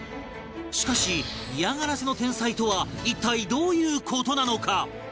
しかし嫌がらせの天才とは一体どういう事なのか？